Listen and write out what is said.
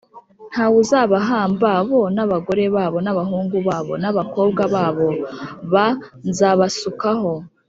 nta wuzabahamba bo n abagore babo n abahungu babo n abakobwa babo b Nzabasukaho